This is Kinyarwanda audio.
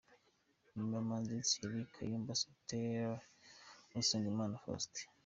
Inyuma: Manzi Thierry, Kayumba Sother, Usengimana Faustin.